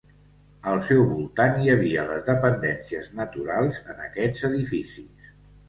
Al seu voltant hi havia les dependències naturals en aquests edificis.